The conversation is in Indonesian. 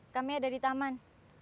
kami ada di taman